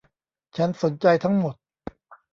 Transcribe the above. ฉันสนใจทั้งหมด